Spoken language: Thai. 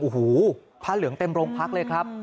อู้หูพระเหลืองเต็มโรงพรรคเลยครับ